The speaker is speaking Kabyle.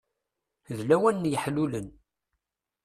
D lawan n yeḥlulen.